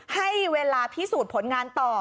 ให้เวลาพิสูจน์ผลงานต่อ